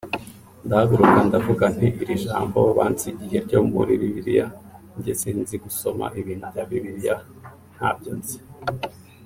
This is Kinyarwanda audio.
ndahaguruka ndavuga nti iri jambo bansigiye ryo muri Bibliya njye sinzi gusoma ibintu bya Bibliya ntabyo nzi